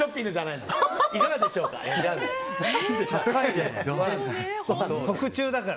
いかがでしょうか！